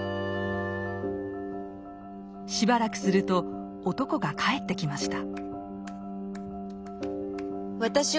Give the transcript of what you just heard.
しばらくすると男が帰ってきました。